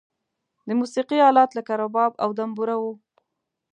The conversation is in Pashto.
د موسیقی آلات لکه رباب او دمبوره و.